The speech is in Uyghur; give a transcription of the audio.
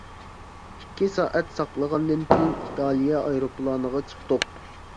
ئىككى سائەت ساقلىغاندىن كىيىن ئىتالىيە ئايروپىلانىغا چىقتۇق.